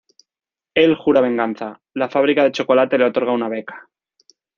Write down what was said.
Él jura venganza; la fábrica de chocolate le otorga una beca.